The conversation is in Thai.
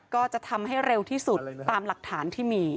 ก็จะทำให้เร็วที่สุดตามหลักฐานที่มี